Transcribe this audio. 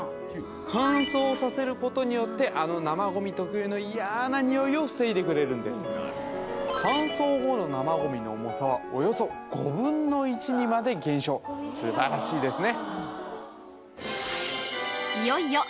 乾燥させることによってあの生ゴミ特有の嫌なニオイを防いでくれるんです乾燥後の生ゴミの重さはおよそ５分の１にまで減少素晴らしいですね